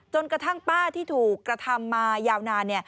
กระทั่งป้าที่ถูกกระทำมายาวนาน